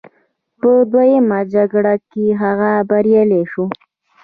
په دویمه جګړه کې هغه بریالی شو.